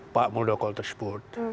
pak modoko tersebut